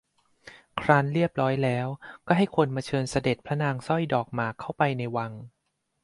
ครั้นเรียบร้อยแล้วก็ให้คนมาเชิญเสด็จพระนางสร้อยดอกหมากเข้าไปในวัง